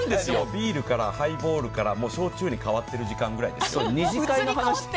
ビールからハイボールからもう焼酎に変わってる時間です。